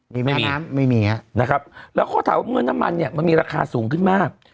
มีไม่มีน้ำไม่มีฮะนะครับแล้วเขาถามว่าเมื่อน้ำมันเนี่ยมันมีราคาสูงขึ้นมาก